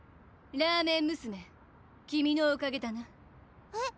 ラーメン娘君のおかげだなへっ？